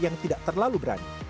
yang tidak terlalu berani